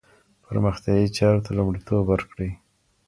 پرمختیايي چارو ته لومړیتوب ورکړئ.